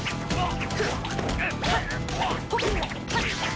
あっ！